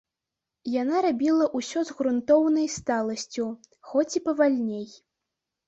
Яна рабіла ўсё з грунтоўнай сталасцю, хоць і павальней.